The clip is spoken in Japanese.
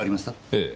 ええ。